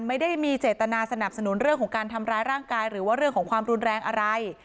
ไม่ได้มีเจตนาสนับสนุนเรื่องของการทำร้ายร่างกายหรือว่าเรื่องของความรุนแรงอะไร